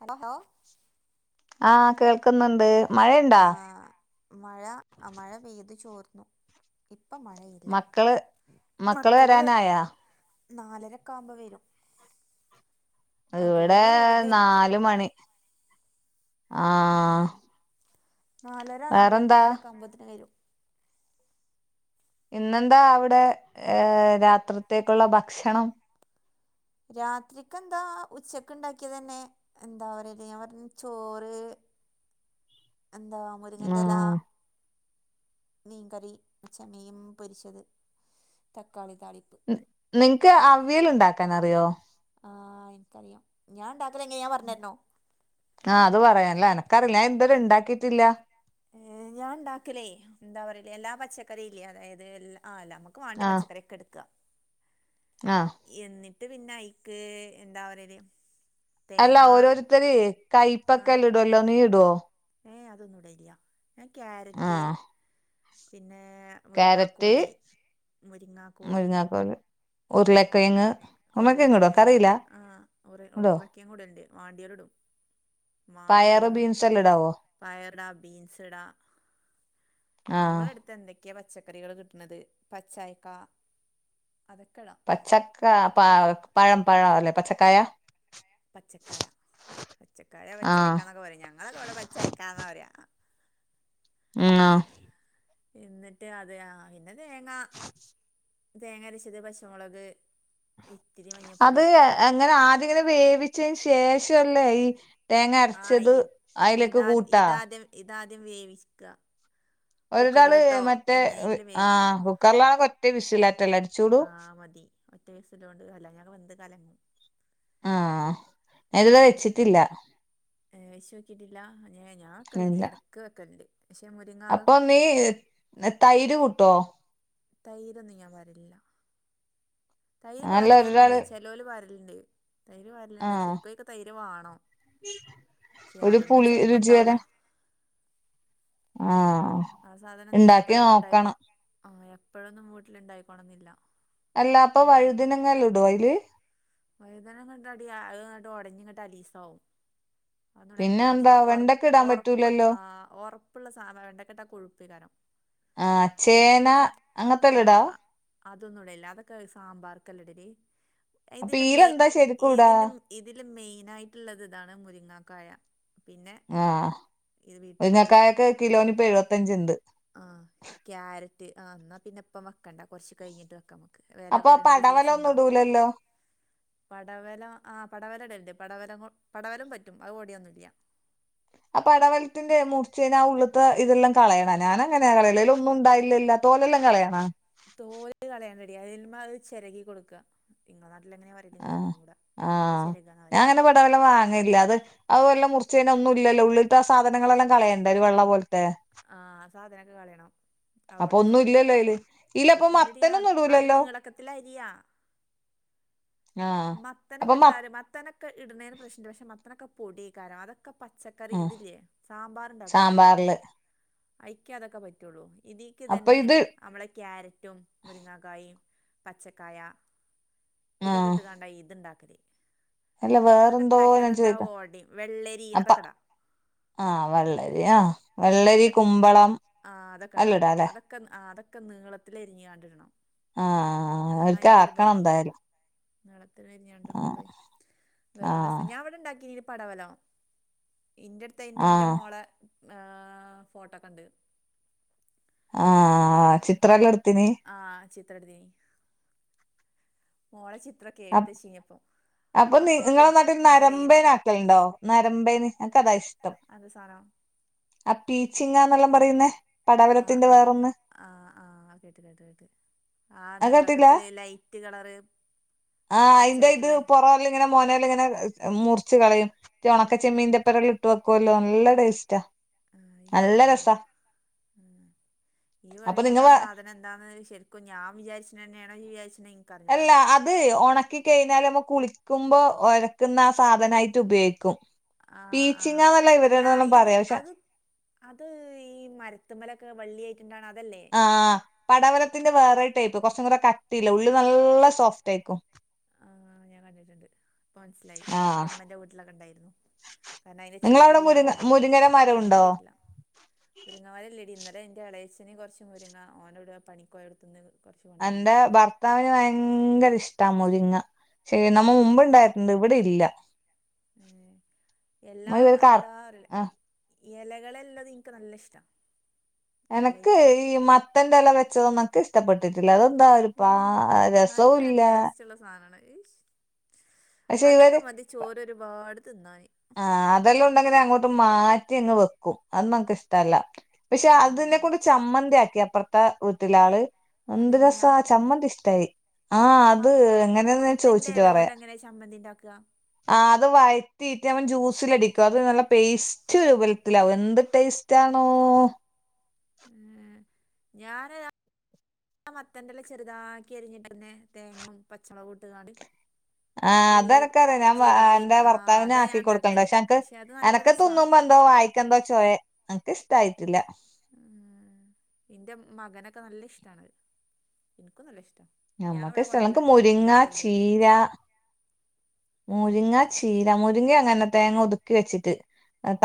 Hello ആഹ് കേൾക്ന്ന്ണ്ട് മഴ ഉണ്ടോ ആഹ് മഴ അ മഴ പെയ്ത് ചോർന്നു ഇപ്പം മഴയില്ല മക്കള് മക്കള് നാലരക്കാവുമ്പോ വരും ഇവിടെ അതുവരെ വെറുതെയിരിക്കാ നാല് മണി ഉം ആഹ് നാലര വേറെന്താ നാലേമുക്കാലൊക്കാവുമ്പോതിന് വരും ഇന്നെന്താ അവിടെ ഏ രാത്രിത്തേക്കുള്ള ഭക്ഷണം രാത്രിക്കെന്താ ഉച്ചക്ക് ഉണ്ടാക്കിയ തന്നെ എന്താ പറിലെ ഞാൻ പർഞ് ചോറ് [inaudible] എന്താ മുര്ങ്ങന്റെല ആഹ് മീൻകറി ചചെമമീം പൊരിച്ചത് തക്കാളി താളി നിൻക് അവ്യൽ ണ്ടാക്കാനറിയോ ആഹ് ഇൻക്കറിയാ ഞാൻ ണ്ടാക്കലെങ്ങനെ ഞാൻ പറഞര്നോ ആഹ് അത് പറയാല്ല എനക്കർല ഞാൻ ഇത് വരെ ഇണ്ടാക്കിയിട്ടില്ല ഞാൻ ഇണ്ടാക്കലേ ന്താ പര്യല് എല്ലാ പച്ചക്കറില്യേ അതായത് ആ നമ ക്ക് വാണ്ട്യ ആഹ് പച്ചക്കറി ഒക്കെ എട്ക്കാ ആഹ് എന്നിട്ട് പിന്നെ ഐക്ക് എന്താ പറിയല് അല്ല ഓരോരുത്തര് ആ കൈപ്പക്കെല്ലൊ ഇടുല്ലോ നീ ഇടോ ഏ അതൊന്നും ഇടേല്യ ഞാൻ ക്യാരറ്റ് ആഹ് പിന്നെ ക്യാരറ്റ് മുരിങ്ങാക്കോല് മുരിങ്ങാക്കോലില്ലേ മുരിങ്ങാക്കോല് ഉരുളക്കിഴങ്ങ് ഉരുളക്കിഴങ്ങ് ഇടുവോ ഉരുളക്കിങ്ങ് എനിക്കറിയില്ല ആ ഉര ഇടുവോ ഉരുളക്കിയങ്ങു ടേണ്ട് വാണ്ട്യോല് ഇടും മാണം പയറ് ന്ന്ള്ളോല്ടും ബീൻസ് എല്ലാം ഇടാവോ പയർ ഇടാ ബീൻസ് ഇടാ ആഹ് അമ്മളെ എട്ത്തെ എന്തെക് ക്കെ പച്ചക്കറികള് കിട്ടണത് പച്ചായ്ക്ക അതൊക്കെ ടാം പച്ചക്ക പ പഴം പഴം അല്ലെ പച്ചക്കായ പച്ചക്കായ പച്ചക്കായ ആഹ് പചായ്ക്കന്നൊക്കെ പറിം ഞങ്ങളൊക്കെ വ്ടെ പചായ്ക്കാന്നാ പറയാ മ് ആഹ് എന്നിട്ട് അതെയ ആഹ് പിന്നെ തേങ്ങ തേങ്ങരച്ചത് പച്ചമുളക് ഇത്തിരി മഞ്ഞപ്പൊടി എങ്ങനെ ആദ്യങ്ങനെ വേവിച്ചതിന് ശേഷല്ലേ ഈ തേങ്ങ ആ അര്ച്ചത് ഈ അയ്ലേക്ക് ഇതാ കൂട്ടാ ഇതാദ്യം ഇതാദ്യം വേവിക്ക്അ ഒരാള് കുക്കർല്ട്ടോ മറ്റേ എങ്ങനെയെങ്കിലും വേവിക്ക്അ ആഹ് കുക്കറിലാണെങ്കി ഒറ്റ വിസിലാറ്റല്ലേ അടിച്ചൂടൂ ആഹ് മതി ഒറ്റ വിസിലോണ്ട് അല്ലങ്ങണ്ട് വെന്ത് കലങ്ങും ആഹ് ഞാത് രെ വെച്ചിട്ടില്ല ഏഹ് വെശ്ശോക്കിട്ടില്ല ഞ ഞാവെക്കെൽണ്ട് ഇല്ല എടക്ക് വെക്കൽണ്ട് ഷെ മുര്ങ്ങ മേ തൈര് കൂട്ടോ തൈരൊന്നും ഞാൻ പാരല് ല്ല തൈര് അല്ല പാര്ണോലുണ്ട് ഒരാള് ചെൽ ലോല് വാരല്ണ്ട് തൈര് വാരല്ണ്ട് ആഹ് ശെരിക്കും അയ്ക്ക് തൈര് വാണം ശേ ഒരു അതൊന്നും പുളി രുചി ചെലപ്പണ്ടാവൂല വരാൻ ആഹ് ആ സാധനം ഒന്നും ഇണ്ടാക്കി എപ്പഴൊന്നും ണ്ടായിക്കോ നോക്കണം ആഹ് എപ്പഴൊന്നും വീട്ട്ല് ണ്ടായിക്കോണംന്നില്ല അല്ല അപ്പൊ വഴുദിനങ്ങല്ല ഇടൊ അയ്ല് വൈദനങ്ങ ഇങ്ങട് അടി അതാണ്ട് ഒടഞ്ഞ് ഇങ്ങട്ട് അലീസാവും. അതൊന്നുംടാൻ റ്റി പിന്നെ ല്ല പക്ഷെ എന്താ ഒ വെണ്ടക്ക ഇടാൻ ഒറപ്പ് പറ്റൂലല്ലോ ആഹ് ഒറപ്പുള്ള സാധന വെണ്ടക്കെട്ടാ കൊഴുപ്പെയ്ക്കാരം ആഹ് ചേന അങ്ങനത്തെല്ല ആഹ് ഇടാ അഹ് അതൊന്നും ഇടല്ല അതൊക്കെ സാമ്പാർകല്ലെ ഇടല് അപ്പൊ ഇതിന്റെ മെയ് ഈലെന്താ ശരിക്കും ഇടാ ഇതിന് ഇതില് മെയിൻ ആയിട്ടുള്ളത് ഇതാണ് മുരിങ്ങാക്കായ പിന്നെ ആഹ് ഇത് ബീറ്റ് ഇത് മുരിങ്ങക്കായക്ക് കിലോനിപ്പൊ എഴുവത്തഞ്ച്ണ്ട് ആഹ് ക്യാരറ്റ് ആഹ് ന്നാ പിന്നെ ഇപ്പം വക്കണ്ട കൊറച്ച് കഴിഞ്ഞിട്ട് വെക്കമ്മക്ക് ക്ക് വെല അപ്പൊ ആ കൊറീണൊരു പടവലൊന്നും സീസൺണ്ടാവും ഇടൂലല്ലോ പടവലം ആഹ് പടവലം ഇടല്ണ്ട് പടവലങ്ങ് പടവലം പറ്റും അത് ഒടിയൊന്നുംല്ല അ പടവലത്തിന്റെ മുർച്ചയ്ഞാആ ഉള്ള്ത്തെ ഇതെല്ലാം കളയണം ഞാൻ അങ്ങനെ കളയല് അയ്ല് ഒന്നും ണ്ടായില്ലല്ലോ തോലെല്ലാം കളയണാ തോല് കളയണ്ടടി അതിൻ മ്മെ അത് ച്ചെരകി കൊട്ക്ക്അ ഇങ്ങളെ നാട്ടിൽ എങ്ങനെ പറയല് ആ ഇന്ക്ക് അറിയുല ഞങ്ങള്വ്ടെ ചെരകാന്നാ പറയാ ടവലം വാങ്ങൽല്ല അത് അതുവല്ല മുറിച്ചയിഞ്ഞ ഒന്നും ഇല്ലല്ലോ ഉള്ളിൽത്തെ ആ സാധനങ്ങളെല്ലാം കളയണ്ടെ ഒരു വെള്ള പോലത്തെ ആഹ് ആ സാധനക്കെ കളയണം അപ്പൊ അവോണ്ട് ഒന്നും ഇല്ലല്ലോ അയില് ഈലപ്പൊ ഇല്ലെടിയാ അത് മത്തനൊന്നും അത് ഇടൂലല്ലോ നിങ്ങളക്കത്തിരിയാ ആ അപ്പൊ മത്തനെക്കോ മ ഇട്ടാല് മത്തനൊക്കെ ഇടുന്നേന് പ്രശ്നണ്ട് പക്ഷെ മത്തനൊക്കെപൊടിയേക്കാരം അതൊക്കെ ക്കെ പച്ചക്കറി ആ ഇതില്ലേ സാമ്പാർണ്ടാക്കൂല്ലേ സാമ്പാറില് അഴിക്കെ അതൊക്കെ പറ്റൊള്ളൂ ഇതിക്ക് അപ്പൊ ഇതന്നെ ഇത് നമ്മളെ ക്യാരറ്റും മുരിങ്ങാക്കായിം പച്ചക്കായ ഇതൊക്കെ ആഹ് ക്കിട്ട്ങ്ങാണ്ട ഈ ഇത്ണ്ടാക്കല് അല്ല മറ്റതൊക്കെ വേറെന്തോ ണ്ടാക്കിയ ഇ ഞാൻ വെന്താ ഒടിം വെള്ളരി അതൊക്കെടാ ആഹഹ് വെള്ളരി ആഹ് ആഹ് അത വെള്ളരി കുമ്പളം എല്ലടാ ല്ലെ ക്കെ ആഹ് അതൊക്കെ നീളത്തില് അ രിഞ്ഞ്ങ്ങാണ്ട് ഇടണം ആഹ് ഒരിക്കാക്കണം എന്തായാലും നീളത്തിലരിഞ്ഞാണ്ട് ആഹ് ഇടുമ്പെയ് വേറൊരസാ ആഹ് ഞാൻ ഇവ്ടെ ഇണ്ടാക്കിന് പടവലം ഇന്റെ അടുത്ത് അയ്ന്റ് ന്റെ ആഹ് മോളെ ഫോട്ടൊക്കെണ്ട് ആഹഹ് ചിത്രല്ലം എട്ത്ത്നി ആഹ് ചിത്രട്തിനി മോളെ ചിത്രൊക്കെ എടുത്തചീനി അപ്പോ അഹ് ഇപ്പൊഴുണ്ട് ഇൻ ഇന്റെ കയ്യില് ണ്ടോ നരമ്പേനി എനക്ക്താ ഇഷ്ടം അത് സാധനം ആ പീച്ചിങ്ങാന്നെല്ലാം പറയുന്നേ ആഹ്‌ പടവലത്തിന്റെ ആഹ്‌ വേറൊന്ന് ആ ആഹ് കേട്ട് കേട്ട് കേട്ട് ആ അത് കേട്ടില്ല നീളക്കത്തില് ലൈറ്റ് കളറ് പച്ചായിട്ടുള്ളെ ഇങ്ങെ മോനലിങ്ങനെ മുറിച് കളയും ഉണക്ക ചെമ്മീൻന്റെപ്പറെള്ളാം ഇട്ട് വെക്കുവല്ലോ നല്ല ടേസ്റ്റാ ആഹ്‌ നല്ല ഇനിക്കറിഞ്ഞുടാ രസാ ഈ അപ്പൊ പറയണതാ നിങ്ങ സാധ നന്താന്ന് ശരിക്കും ഞാൻ വിചാരിച്ചുെന്നെയാണോ നി വിചാരിണ് അല്ല അത് ഒണക്കി കഴിഞ്ഞാൽ നമ്മക്ക് കുളിക്കുമ്പോ ഒരക്ന്ന ആ സാധനയിട്ട് ഉപയോഗിക്കും ആഹ ആഹ് പീച്ചിങ്ങന്നല്ല അല്ല ഇവരോടെല്ലാം ഇത് പറയാ പക്ഷെ അത് അത് ഈ മരത്തുമ്മലൊക്കെ വള്ളിയാട്ട്ണ്ടാണ അതല്ലേ ആഹ്‌ പടവലത്തിന്റെ വേറെ ടൈപ്പ് കുറച്ചും കുടെ കട്ടില്ലേ ഉള്ള് നല്ല സോഫ്റ്റ് ഏയിക്കും ആ ഞാൻ കണ്ടിട്ടുണ്ട് ഇപ്പൊ മനസ്സിലായി എന്റെ ആഹ് ഇമ്മേന്റെ വീട്ടിലൊക്കെ ഇണ്ടായിരുന്നു. കാരണം അതിന്റെ നിങ്ങളവിടെ ചെകിരി ഞാൻ മുരിങ്ങ കൊണ്ടോന്ന്ണ് മുരിങ്ങയുടെ മരം തിന്ന് നോ ഉണ്ടോ കിട്ടില്ല മുരിങ്ങമരംലെടി ഇന്നലെ എന്റെ എളേച്ചന് കുറച്ച് മുരിങ്ങ ഓനോട് പണിക്കോയ എടുത്തന്ന് എന്റെ ഭർത്താവിന് ഭയങ്കര ഇഷ്ട മുരിങ്ങ ശെ നമ്മൾ ഉം മുമ്പുണ്ടായിട്ടുണ്ട് ഇവിടെ ഇല്ല എല്ലാ നമ്മ ഇവര് കർ എന്താ പറ ആഹ് ഇലകളെല്ലത് എനിക്ക് നല്ല ഇഷ്ട എനക്ക് ഈ മത്തന്റെ ഇല വെച്ചതൊന്നക്ക് ഇഷ്ടപ്പെട്ടിട്ടില്ല അത്. എന്താ ഒരുപ്പാ രസവു ഇല്ല സാധന ഐഷ് പക്ഷെ അതൊക്കെ മതി ചോറ് ഒരുപാട് തിന്നാൻ ആ അതെല്ലാം ഉണ്ടെങ്കെ അങ്ങോട്ട് മാറ്റി അങ്ങ് വെക്കും അത് നമുക്ക് ഇഷ്ടല്ല പക്ഷെ ആഹ് അതിനെക്കൊണ്ട് ചമ്മന്തിയാക്കി അപ്പുറത്തെ വീട്ടിലള് ഒന്ത് അതെങ്ങനെയാ രസാ ചമ്മന്തി ഇഷ്ടായി ആഹ്‌ മ അത് എങ്ങനെയന്ന് ഞാൻ മത്തന്റെ ചോയിച്ചിട്ട് ഇല പറയാ കൊണ്ട് എങ്ങനെ ചമ്മന്തി ഉണ്ടാക്കുക ആ അത് വഴത്തി മ്മൻ ജ്യൂസിലടിക്ക അത് നല്ല പേസ്സ്റ്റ് വൽത്തിലാവു എന്ത് ടേസ്ട്ടാണോ ഉം ഞാന് ആ മത്തൻന്റെല ചെറുതാക്കി അരിഞ്ഞിട്ട് തന്നെ തേങ്ങയും പച്ചമുളക് ഇട്ട്കാട് ആ അതെനക്കറിയാ ഞാൻ ചീരുള്ളി എന്റെ ആഹ് ഭർത്താവിന് അതാ ഞാൻ ആക്കി കൊടുക്കണ്ട് ഉണ്ടാക്കല് പക്ഷെ അനക്ക് അത് നല്ല എനക്ക് രസാ തിന്നുപോ എന്തോ വായിക്കന്തോ ചോയ നനക്ക് ഇഷ്ടായിട്ടില്ല ഉം എന്റെ മകനൊക്കെ നല്ല ഇഷ്ടണത് എനിക്കും നല്ല ഇഷ്ടാ ഞാൻ ഞമ്മക്ക് ഇവിടെ ഇഷ്ടല്ല കൊണ്ടരല് എനക്ക് മുരിങ്ങ ഇണ്ടാക്കലണ്ട് മുറിങ്ങ ചീര മുരിങ്ങ അങ്ങനെ തേങ്ങ ഒതുക്കി വെച്ചിട്ട്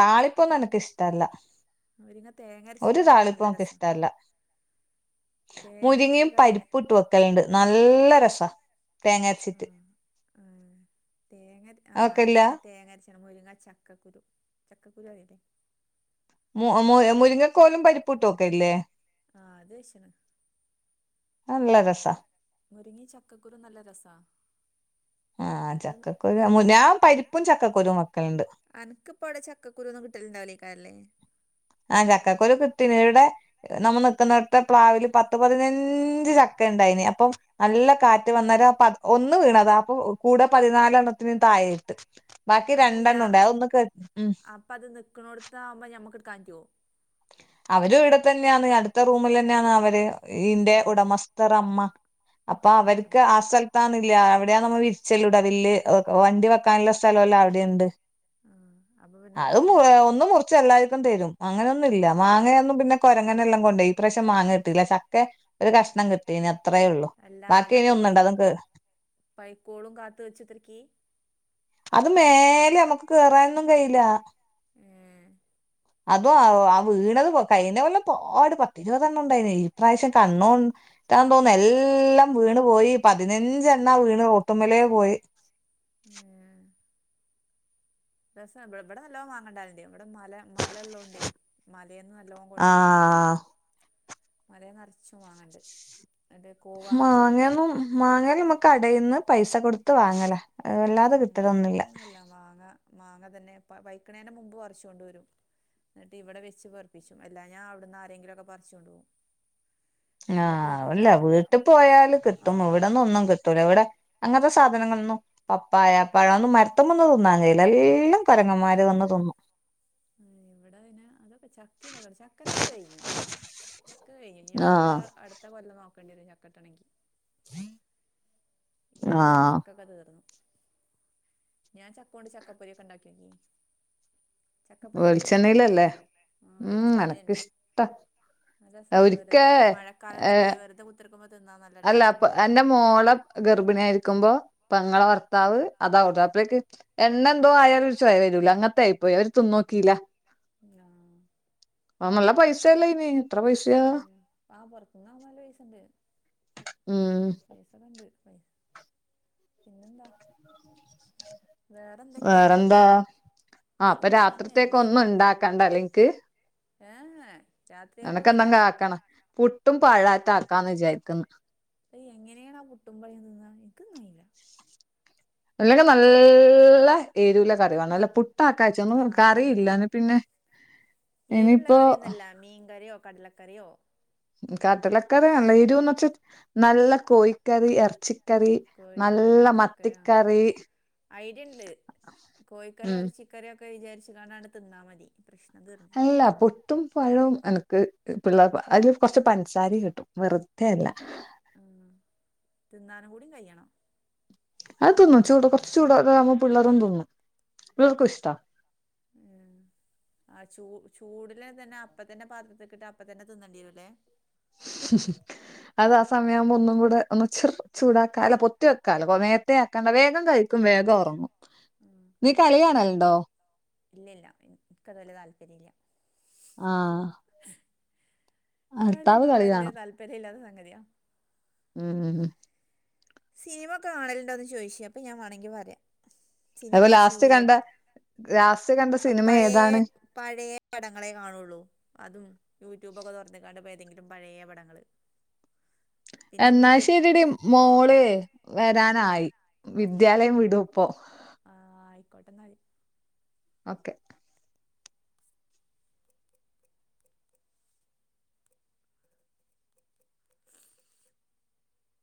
താളിപ്പൊന്നു എനക്ക് ഇഷ്ടല്ല മുരിങ്ങ തേങ്ങ അരച്ച ഒരു കറിയായ താളിപ്പു നല്ല എനക്ക് രസാ ഇഷ്ടല്ല തേങ്ങ അരച്ച മുരിങ്ങയും കറി വെ പരിപ്പും ഇട്ട് വക്കലുണ്ട് നല്ല രസ ആ ആ തേങ്ങര ആ അത് അതൊക്കെല്ല ഞ തേങ്ങര മുരിങ്ങ ചക്കക്കുരു ചക്കക്കുരു ആയിലെ മു മു മുരിങ്ങക്കോലും പരിപുട്ടക്കെല്ലേ ആ അതേശന് നല്ല രസ് മുരിങ്ങി ചക്കക്കുരു നല്ല രസാ ആ അത് ചക്കക്കൊരു ഞാൻ പരിപ്പും ചക്കക്കൊരു വെക്കല്ണ്ട് അനക്ക് ഇപ്പവടെ ചക്കരു ഒന്നും കിട്ടലണ്ടാവില്ലേക്കാരല്ലേ ആ ചക്കകുരു കിട്ടീൻ ഇവിടെ നമ്മൾ നിക്കുനീടാതെ പ്ലാവില് പത്ത് പതിനഞ്ച് ചക്ക ഉണ്ടായിന് അപ്പം നല്ല കാറ്റ് വന്നാല ആ ഒന്ന് വീണത അപ്പൊ കൂടെ പതിനാലെണ്ണത്തിന് താഴയിട്ട് ബാക്കി അതല്ല രണ്ടെണ്ണം ഉണ്ടേ അത ഒന്ന് കേ അപ്പ അത് നിക്കന്നോടട്ട് ആകുമ്പോൾ നമുക്ക് എടുക്കാൻ പറ്റൊ അവരും ഇവിടെ തന്നെയാണ് അടുത്ത റൂമിൽ തന്നെയാണ് അവര് ഇതിന്റെ ഏഹ് ഏഹ് അത് ഉടമസ്ഥർമ്മ അപ്പൊ ആഹ് അവർക്ക് ആ സ്ഥലത്താന്നില്ല ആഹ് അവിടെയാ നമ്മ വിരിച്ചല്ലൂട വില്ല് വണ്ടി വ [unintelligible] നല്ല സ്ഥലല്ല അവിടെണ്ട് അപ്പൊ പിന്നെ [unintelligible] പ്രശ്നല്ല കു എല്ലായിർക്കും തരും അങ്ങനെയൊന്നും ഇല്ല ഉം മാങ്ങയൊന്നും കൊരങ്ങനെല്ലാം കൊണ്ട് പോയി ഈ പ്രാവശ്യം മാങ്ങട്ടില്ല ചക്ക ഒരു കഷ്ണം കിട്ടി പിന്നെ അത്രേ ഉള്ളു ബാക്കി ഇനി ഒന്നുംണ്ട് അതും കേ പൈക്കോളം കാത്ത് വെച്ചത്രക്കെ അത് മേലെ നമ്മുക്ക് കേറാനൊന്നും കഴയില്ല മ്മ് അതും ആ വീണത് കയിഞ്ഞ കൊല്ലം പാട് പത്ത്റിവണ്ണം ഉണ്ടായിന് ഈപ്രാവശ്യം കണ്ണ തോന്നുന്നു എല്ലം വീണ് പോയി പതിനഞ്ചെണ്ണ വീണ് മെത്തുമമ്മലയെ പോയി മ്മ് രസണ് ഇവിടെ നല്ലോ മാങ്ങഉണ്ടാവലുണ്ട് ഇവിടെ മല മല ഉള്ളണ്ട് ണ്ട് മലേന്ന് നല്ലോം ആ കൊണ്ടരും മലയിൽ നിറച്ചു മാങ്ങണ്ട് ന്നട്ട് കൂവാങ്ങള്ളത് മാങ്ങന്നും മാങ്ങ നമുക്ക് കടയിൽന്ന് പൈസ കൊടുത്ത് വാങ്ങല വല്ലാതെ കിട്ടലൊന്നുമില്ല മാങ്ങാ മാങ്ങ തന്നെ വൈക്കണേന മുമ്പ് പറച്ചോണ്ട് കൊണ്ടുവരും എന്നിട്ട് ഇവിടെ വെച്ച് പറപ്പിച്ചും എല്ലാ ഞ അവിടുന്ന് ആരെങ്കിലൊക്കെ പറിച്ചുൊണ്ട് പോകും ആ് അല്ല വീട്ടിൽ പോയാല് കിട്ടും ആഹ് ഇവിടെന്ന് ഒന്നും കിട്ടും ത്തല ഇവിടെ അങ്ങനത്തെ സാധനങ്ങളൊന്നും പപ്പായപ്പാഴൊന്നും മര ത്തിമ്മ വന്ന് തിന്നാൻ കഴയില്ല എല്ലാം കരങ്ങന്മാര് വന്ന് തിന്നും ആ ഇവിടെ പിന്നെ അതൊക്കെ ചക്കീന്നൊക്ക ചക്കന്റെ ഇത് കഴിഞ്ഞു ചക്ക കഴഞ്ഞഞ് ഇനി അടുത്ത ആഹ് അടുത്ത കൊല്ലം നോക്കേണ്ടി വരും ചക്കട്ട ഇണങ്കി ഹം ഈ കൊലത്ത് ചക്കക്കെ തീർന്നു ഞാൻ ചക്കൊണ്ട് ചക്കപ്പൊരിഒക്കെ ഉണ്ടാക്കിയ നോക്കി ചക്കപ്പൊരി ഉണ്ടാക്കിക്കണ നീ വെളിച്ചെണ്ണയിലല്ലേ ആ ഉം വളിച്ചെനണ്ണേലന്നെ എനക്കിഷ്ട അന്നെ ല്ല രസമാണ് ഒരിക്ക വെറുത മഴാലത്തൊക്കെ വെറുതെ കുത്തിടുക്കുമ്പോ തിന്നാ നല്ല അല്ല ടേസ്റ്റ അപ്പൊ എന്റെ മോളെ ഗർഭിണി ആയിരിക്കുമ്പോ പങ്ങളെ ഭർത്താവ് അതാട അഴേക്ക് എണ്ണ എന്തോ ആയാലും ചൊയ വരൂല്ല അങ്ങനത്തെ ആയി പോയി അവര് തിന്നോക്കില്ലാ [unintelligible] ആ നല്ല പൈസല്ല ഇനി എത്ര പൈസയാ ആഹ് പുറത്തുന്നകുമ്മ നല് പൈസുണ്ട് ഉം പൈസ കണ്ട് പൈസ പിന്നെന്താ വേറെ എന്തൊക്കെയാ വേറെന്താ ആ അപ്പൊ സുഖം രാത്രിത്തേക്ക തന്നെയല്ലേ ഒന്നും ഉണ്ടാക്കണ്ട അല്ലെക്ക് യെ യെ നിനക്കെന്തെങ്ക ആക്കണ പുട്ടും പാഴത്ത ആക്കാന്ന് വിചാരിക്കുന്ന അ എങ്ങനെയാണ് ആ പുട്ടും പഴും തിന്നാ എനക്ക്ന്നയില്ല അല്ലങ്ക നല്ല ഏരുള്ള കറിമാണം നല്ല പു [unintelligible] കറിയില്ല പിന്നെ ഏരുള്ള ഇനിയിപ്പോ കറിയൊന്നല്ല മീൻകറിയോ കടലക്കറിയോ കാട്ടിലൊക്കെറ നരുന്ന് വെച്ച് നല്ല കോഴിക്കറി ആ ഇറച്ചിക്കറി കോഴിക്കറി നല്ല ഇറച്ചിക്കറി ആ മത്തിക്കറി ഐഡിയ ഉണ്ട് കോഴിക്കറി ഉം അരച്ചി രൊക്കെ വിചാരിച്ച്കാണ്ട് ത്തിന്നാ മതി പ്രശ്ം തീർന്നു അല്ല പുട്ടും പഴും അനക്ക് പിള്ളേർ അതിൽ കുറച്ച് പഞ്ചസാരിയും കിട്ടും വറത അല്ല ഉ തിന്നാനും കൂടി കഴിയണം അത് നിന്നും ചൂട് കുറച്ച് ചൂടാവുമ്പോ പിള്ളേരും തിന്നും പിള്ളേർക്കും ഇഷ്ടമാണ് ഏഹ് ആഹ് ചൂ ചൂടില് തന്നെ അപ്പ തന്നെ പാത്രത്തിക്കിട്ട് അപ്പ തന്നെ തിന്നേണ്ടി വരും അല്ലേ [unintelligible] അത് ആഹ് സമയയാവുമ്പോ ഒന്നും കൂടെ ഒന്ന് ച ചൂടാക്കാാല പൊത്തി വെക്കാലനേ വയാക്കണ്ട വേഗം കഴിക്കും വേഗം ഉറങ്ങും നീ കളിയാണല്ലണ്ടോ ഇല്ലല്ല ഇക്ക അത് വല്യതാല്പര്യം ഇല്ല ആഹ് ഭർത്താവ് കളിയൊന്നും കളി വലിയ കാണും താല്പര്യ ഇല്ലാത്ത സംഗതിയാ ഉം ഉം ഉം സിനിമ ഒക്കെ കാണലുണ്ടോ എന്ന് ചോദിച്ചാ അപ്പൊ ഞാ വേണമെങ്കി പറയാം അപ്പൊ സിനിമാ ലാസ്റ്റ് സീരിയൽ കണ്ട ലാസ്റ്റ് കണ്ട സിനിമ അപ്പഴ ഏതാണ് പഴയ പടങ്ങളെ കാണുള്ളൂ അതും യൂട്യൂബൊക്കെ തുറന്നക്കാണ്ട് ഇ ഏതെങ്കിലും പഴയ പടങ്ങള് പിന്നെ എന്നാ ശരി ശേരിയടി ഓക്കെ മോള് വരാനായി വിദ്യാലയം വിടുംപ്പൊ ആ്ഹ് ആയിക്കോട്ടെന്നാല് ഓക്കെ